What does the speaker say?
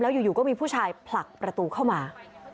อยู่ก็มีผู้ชายผลักประตูเข้ามา